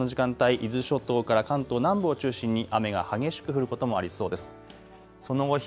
伊豆諸島から関東南部を中心に雨が激しく降ることもありそうです。